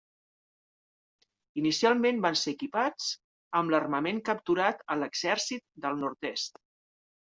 Inicialment van ser equipats amb l'armament capturat a l'Exèrcit del Nord-est.